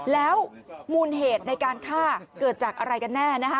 แล้วมูลเหตุในการฆ่าเกิดจากอะไรกันแน่นะคะ